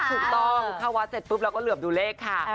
ถูกต้องเข้าวัดเสร็จปุ๊บเราก็เหลือบดูเลขค่ะ